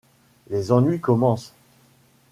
Les ennuis commencent…